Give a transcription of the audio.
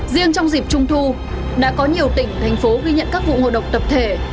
riêng trong dịp trung thu đã có nhiều tỉnh thành phố ghi nhận các vụ ngộ độc tập thể